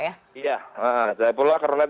ya dari pol akronet